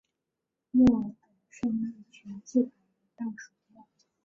墨尔本胜利全季排名倒数第二。